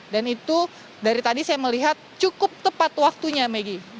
dan itu dari tadi saya melihat cukup tepat waktunya maggie